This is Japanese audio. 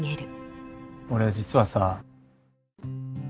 俺実はさ。